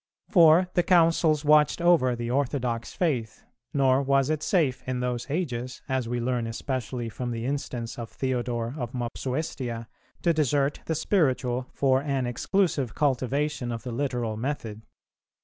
For the Councils watched over the orthodox faith; nor was it safe in those ages, as we learn especially from the instance of Theodore of Mopsuestia, to desert the spiritual for an exclusive cultivation of the literal method.